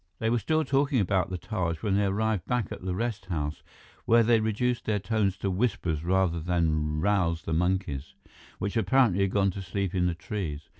They were still talking about the Taj when they arrived back at the rest house, where they reduced their tones to whispers rather than rouse the monkeys, which apparently had gone to sleep in the trees.